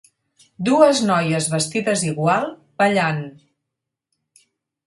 Dues noies vestides igual ballant.